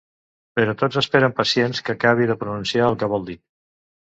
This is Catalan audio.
Però tots esperen, pacients, que acabi de pronunciar el que vol dir.